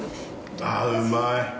あっ、うまい。